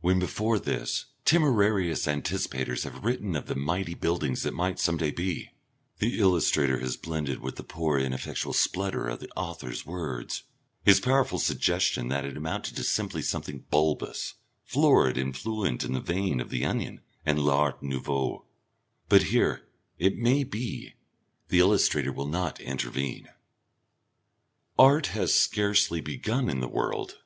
When before this, temerarious anticipators have written of the mighty buildings that might someday be, the illustrator has blended with the poor ineffectual splutter of the author's words, his powerful suggestion that it amounted simply to something bulbous, florid and fluent in the vein of the onion, and L'Art Nouveau. But here, it may be, the illustrator will not intervene. Art has scarcely begun in the world.